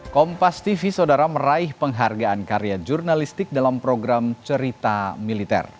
kompas tv saudara meraih penghargaan karya jurnalistik dalam program cerita militer